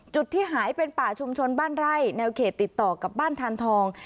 จุดที่หายเป็นป่าชุมชนบ้านไร่แนวเขตติดต่อกับบ้านทานทอง